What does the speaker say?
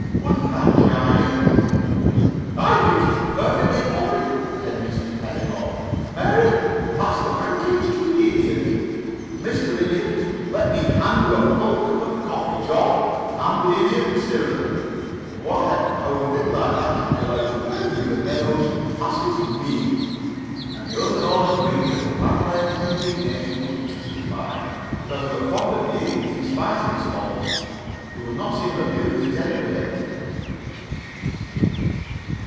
"Wouldn't that jar you?" "I think it's perfectly horrid," said Mrs. Pedagog. "Mary, pass the pancakes to the Idiot. Mr. Idiot, let me hand you a full cup of coffee. John, hand the Idiot the syrup. Why, how a thing like that should be allowed to go through the mails passes me!" And the others all agreed that the landlady's indignation was justified, because they were fond of the Idiot in spite of his faults. They would not see him abused, at any rate.